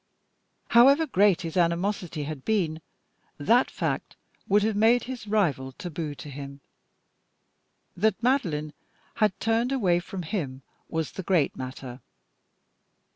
However great his animosity had been, that fact would have made his rival taboo to him. That Madeline had turned away from him was the great matter.